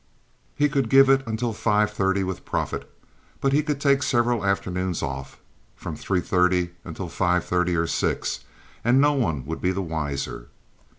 He could give it until five thirty with profit; but he could take several afternoons off, from three thirty until five thirty or six, and no one would be the wiser.